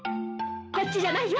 こっちじゃないよ！